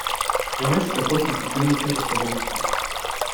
Jamais cette approche n'a pu démontrer de sa validité.